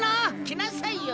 来なさいよ。